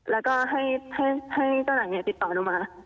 แล้วให้เก้าแบบเนี่ยติดต่อคุณมา